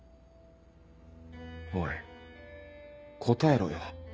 おい答えろよ。